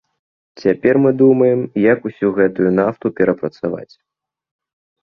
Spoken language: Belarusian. Цяпер мы думаем, як усю гэтую нафту перапрацаваць.